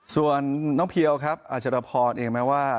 ส่วนน้องเพียวครับอาจจะรับพอร์ตเองไหมว่า